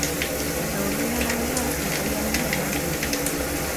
Zaurien arabera, jipoi handia eman zioten.